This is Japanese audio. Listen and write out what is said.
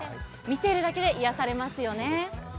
見ているだけで癒やされますよね。